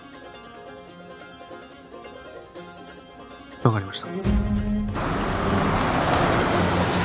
分かりました